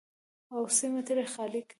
او سیمه ترې خالي کړي.